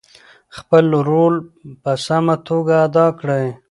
خپل رول په سمه توګه ادا کړئ.